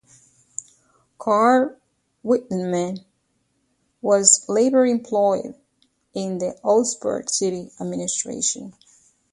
Karl Wiedemann was later employed in the Augsburg city administration.